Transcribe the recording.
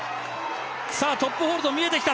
さあトップホールド見えてきた。